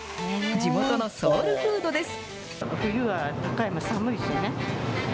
地元のソウルフードです。